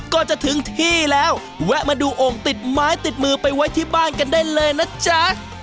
ก็จะถึงที่แล้วแวะมาดูโอ่งติดไม้ติดมือไปไว้ที่บ้านกันได้เลยนะจ๊ะ